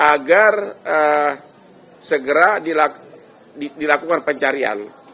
agar segera dilakukan pencarian